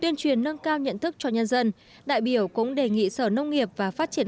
tuyên truyền nâng cao nhận thức cho nhân dân đại biểu cũng đề nghị sở nông nghiệp và phát triển